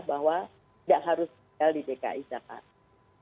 bahwa tidak harus tinggal di dki jakarta